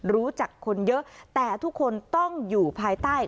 รู้จักคนเยอะแต่ทุกคนต้องอยู่ภายใต้